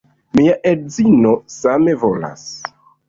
Mia edzino same volas.